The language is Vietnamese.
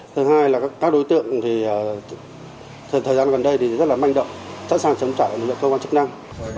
thứ hai là các đối tượng thời gian gần đây rất là manh động chẳng sàng chống trả lời những cơ quan chức năng